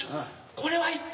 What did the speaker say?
これは一体？